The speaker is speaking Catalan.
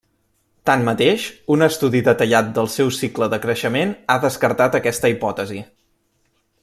Tanmateix, un estudi detallat del seu cicle de creixement ha descartat aquesta hipòtesi.